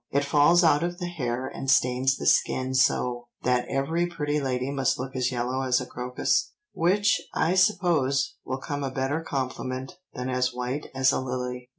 It falls out of the hair and stains the skin so, that every pretty lady must look as yellow as a crocus, which I suppose will come a better compliment than as white as a lily."